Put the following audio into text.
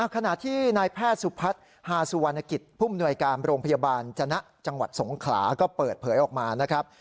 ขณะที่นายแพทย์สุพัฒน์ฮาสุวรรณกิจผู้มนวยการโรงพยาบาลจนะจังหวัดสงขลาก็เปิดเผยออกมานะครับ